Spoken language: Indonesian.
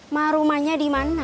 ma rumahnya di mana